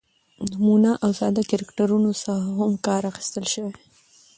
،نمونه او ساده کرکترونو څخه هم کار اخستل شوى